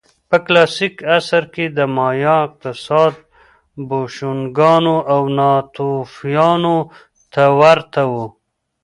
په کلاسیک عصر کې د مایا اقتصاد بوشونګانو او ناتوفیانو ته ورته و